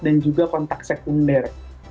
dan juga kontak sekunder